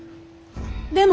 でも。